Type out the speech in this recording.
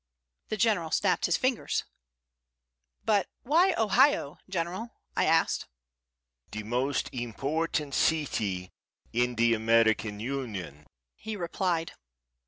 The General snapped his fingers. "But why Ohio, General?" I asked. "The most important city in the American Union," he replied.